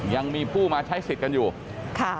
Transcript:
ยังมีผู้มาใช้สิทธิ์กันอยู่ค่ะ